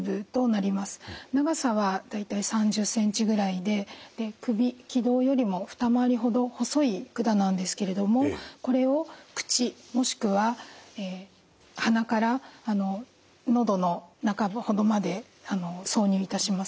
長さは大体３０ｃｍぐらいでくび気道よりも二回りほど細い管なんですけれどもこれを口もしくは鼻から喉の中ほどまで挿入いたします。